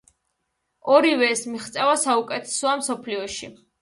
ორივე ეს მიღწევა საუკეთესოა მსოფლიოში.